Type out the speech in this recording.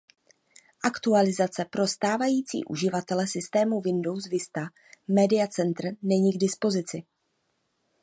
Aktualizace pro stávající uživatele systému Windows Vista Media Center není k dispozici.